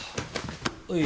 おい。